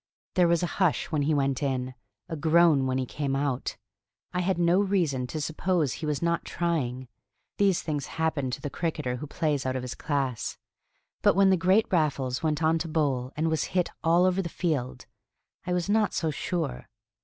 There was a hush when he went in, a groan when he came out. I had no reason to suppose he was not trying; these things happen to the cricketer who plays out of his class; but when the great Raffles went on to bowl, and was hit all over the field, I was not so sure.